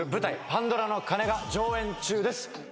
『パンドラの鐘』が上演中です。